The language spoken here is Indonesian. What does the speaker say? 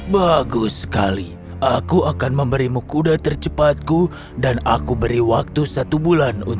bagus sekali aku akan memberimu kuda tercepatku dan aku beri waktu satu bulan